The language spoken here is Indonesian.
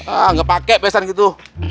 ah ga pake besan gitu